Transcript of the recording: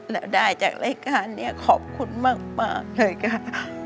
แล้วได้จากรายการนี้ขอบคุณมากเลยค่ะ